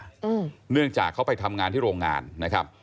อืมเนื่องจากเขาไปทำงานที่โรงงานนะครับ